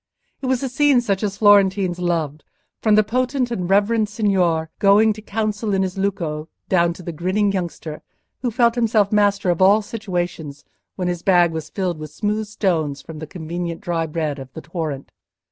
It was a scene such as Florentines loved, from the potent and reverend signor going to council in his lucco, down to the grinning youngster, who felt himself master of all situations when his bag was filled with smooth stones from the convenient dry bed of the torrent.